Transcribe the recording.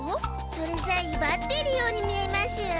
それじゃいばってるように見えます。